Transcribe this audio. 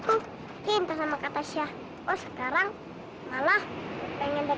akan melarang beberapa pertanyaan